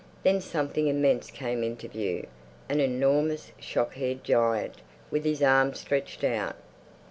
Then something immense came into view; an enormous shock haired giant with his arms stretched out.